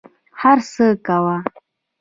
هر څه کوه.